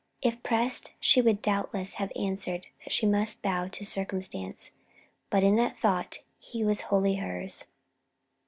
If pressed, she would doubtless have answered that she must bow to Circumstance, but that in Thought he was wholly hers.